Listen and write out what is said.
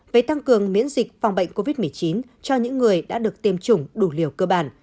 về tăng cường miễn dịch phòng bệnh covid một mươi chín cho những người đã được tiêm chủng đủ liều cơ bản